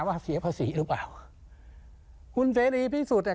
ว่าเสียภาษีหรือเปล่าคุณเสรีพิสุทธิ์อ่ะ